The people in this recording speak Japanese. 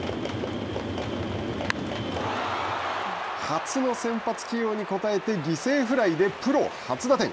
初の先発起用に応えて犠牲フライでプロ初打点。